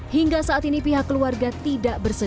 hingga saat ini pihak keluarga tidak bersedia